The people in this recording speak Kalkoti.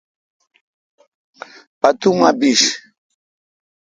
اتوما بش۔